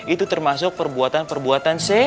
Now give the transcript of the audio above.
itu termasuk perbuatan perbuatan c